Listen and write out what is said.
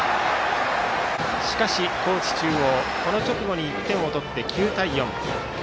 しかし高知中央この直後に１点を取って９対４。